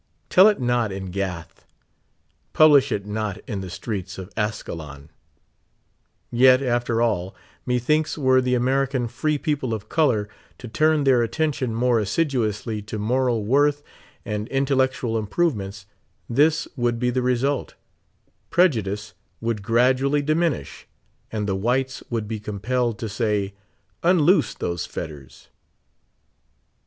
''Tell it not in Gath ! pub lish it not in the streets of Askelon I" Yet, after all, methinks were the American free ^ople of color to turn their attention more assiduously to moral worth and in tellectual improvements, this would be the result : Pre judice would gradually diminish, and the whites would be compelled to say, unloose those fetters